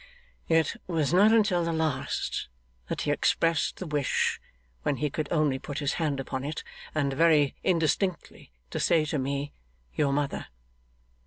'It was not until the last, that he expressed the wish; when he could only put his hand upon it, and very indistinctly say to me "your mother."